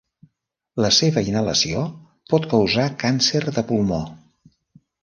La seva inhalació pot causar càncer de pulmó.